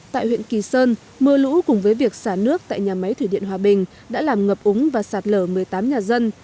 tại huyện kỳ sơn mưa lũ cùng với việc xả nước tại nhà máy thủy điện hòa bình đã làm ngập úng và sạt lở một mươi tám nhà dân